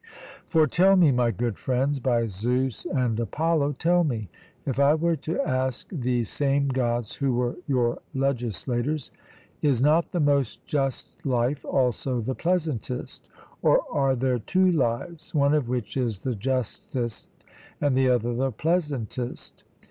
For tell me, my good friends, by Zeus and Apollo tell me, if I were to ask these same Gods who were your legislators, Is not the most just life also the pleasantest? or are there two lives, one of which is the justest and the other the pleasantest?